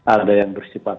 ada yang bersifat